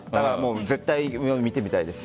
絶対、見てみたいです。